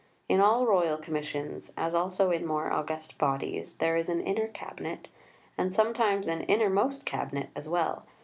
In all Royal Commissions, as also in more august bodies, there is an Inner Cabinet, and sometimes an Innermost Cabinet as well.